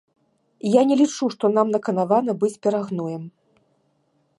Я не лічу, што нам наканавана быць перагноем.